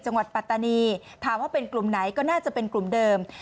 ปัตตานีถามว่าเป็นกลุ่มไหนก็น่าจะเป็นกลุ่มเดิม